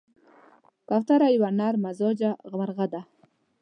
کوتره یو نرممزاجه مرغه ده.